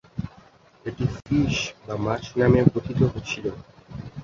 এটি "ফিস" বা মাছ নামেও কথিত ছিল।